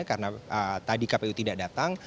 karena tadi kpu tidak datang